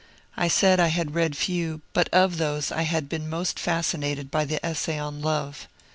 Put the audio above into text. I said I had read few, but of those I had been most fascinated by the Essay on Love.